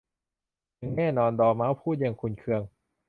หนึ่งแน่นอน !'ดอร์เม้าส์พูดอย่างขุ่นเคือง